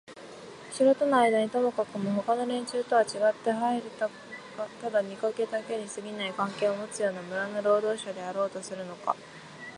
城とのあいだにともかくもほかの連中とはちがってはいるがただ見かけだけにすぎない関係をもつような村の労働者であろうとするのか、